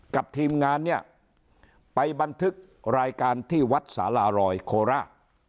ทีมงานเนี่ยไปบันทึกรายการที่วัดสารารอยโคราช